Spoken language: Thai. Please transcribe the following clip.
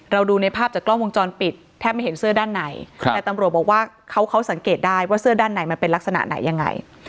ดูในภาพจากกล้องวงจรปิดแทบไม่เห็นเสื้อด้านในแต่ตำรวจบอกว่าเขาสังเกตได้ว่าเสื้อด้านไหนมันเป็นลักษณะไหนยังไง